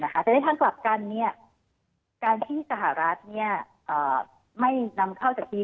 แต่ในทางกลับกันการที่สหรัฐไม่นำเข้าจากที่